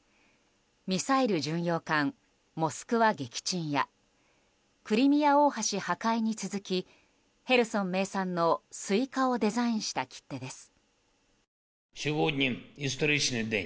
ミサイル巡洋艦「モスクワ」撃沈やクリミア大橋破壊に続きヘルソン名産のスイカをデザインした切手です。